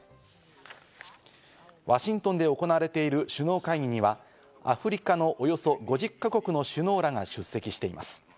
ワシントンで行われている首脳会議にはアフリカのおよそ５０か国の首脳らが出席しています。